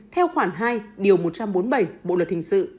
theo khoảng hai một trăm bốn mươi bảy bộ luật hình sự